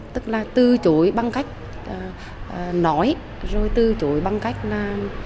tức là từ chối bằng cách nói rồi từ chối bằng cách là